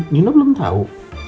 nino belum tau